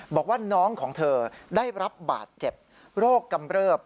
บอกว่าน้องของเธอได้รับบาดเจ็บโรคกำเริบ